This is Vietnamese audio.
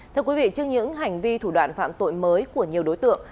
thưa quý vị trước những hành vi thủ đoạn phạm tội mới của nhiều đối tượng